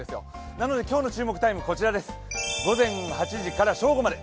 なので今日の注目タイムこちらです、午前８時から正午まで。